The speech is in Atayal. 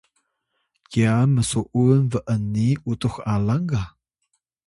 kyan msu’un b’ni utux alang ga